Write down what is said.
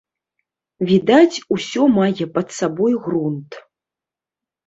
Відаць, усё мае пад сабой грунт.